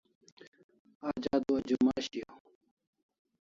Aj adua Juma shiaw